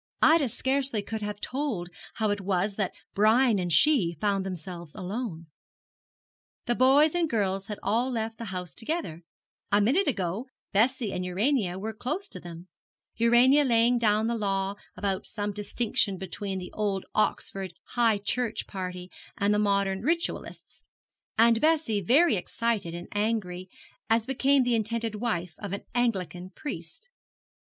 Ida scarcely could have told how it was that Brian and she found themselves alone. The boys and girls had all left the house together. A minute ago Bessie and Urania were close to them, Urania laying down the law about some distinction between the old Oxford high church party and the modern ritualists, and Bessie very excited and angry, as became the intended wife of an Anglican priest.